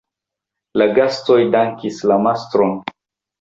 La gastoj dankis la mastron.